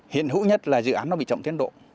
hiện hữu nhất là dự án nó bị chậm tiến độ